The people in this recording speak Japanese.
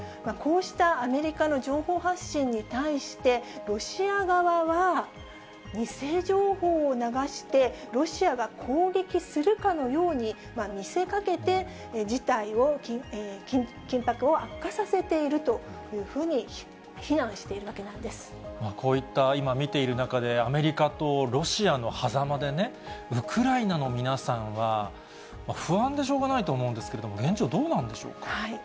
こうしたアメリカの情報発信に対して、ロシア側は、偽情報を流してロシアが攻撃するかのように見せかけて、事態を、緊迫を悪化させているというふうに非難しているわけなんこういった今見ている中で、アメリカとロシアのはざまでね、ウクライナの皆さんは、不安でしょうがないと思うんですけれども、現状、どうなんでしょうか。